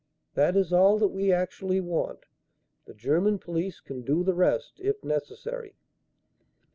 That is all that we actually want. The German police can do the rest if necessary."